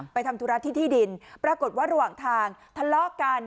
ทำธุระที่ที่ดินปรากฏว่าระหว่างทางทะเลาะกัน